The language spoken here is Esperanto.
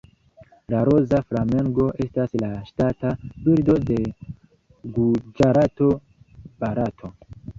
La Roza flamengo estas la ŝtata birdo de Guĝarato, Barato.